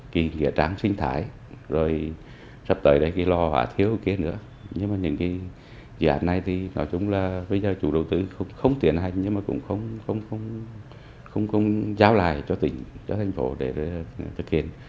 không tiền hành nhưng mà cũng không giao lại cho thành phố để thực hiện